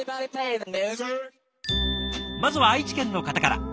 まずは愛知県の方から。